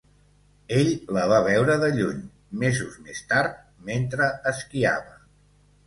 Ell la va veure de lluny mesos més tard mentre esquiava.